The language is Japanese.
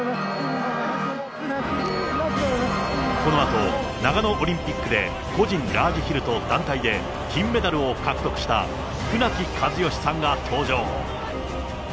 このあと、長野オリンピックで個人ラージヒルと団体で、金メダルを獲得した船木和喜さんが登場。